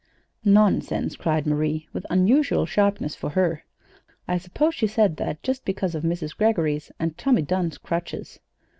"Nonsense!" cried Marie, with unusual sharpness for her. "I suppose she said that just because of Mrs. Greggory's and Tommy Dunn's crutches."